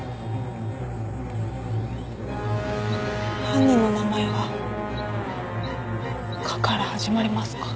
犯人の名前は「か」から始まりますか？